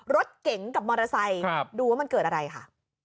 รถเก๋งกับมอเตอร์ไซค์ดูว่ามันเกิดอะไรค่ะ